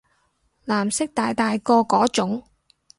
藍色大大個嗰種